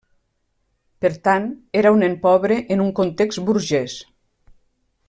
Per tant, era un nen pobre en un context burgés.